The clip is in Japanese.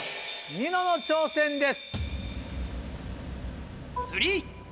ニノの挑戦です。